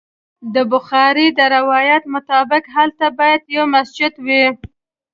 د بخاري د روایت مطابق هلته باید یو مسجد وي.